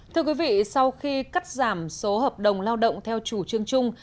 thưa quý vị sau khi cắt giảm số hợp đồng lao động theo chủ trương chung